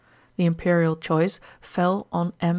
The imperial choice fell on M.